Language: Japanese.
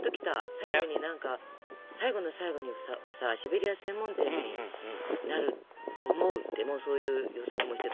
最後に何か最後の最後にはさシベリア専門店になると思うってもうそういう予測もしてたでしょ。ね。